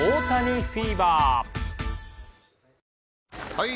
・はい！